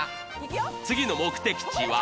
次の目的地は。